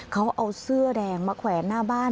เขาเอาเสื้อแดงมาแขวนหน้าบ้าน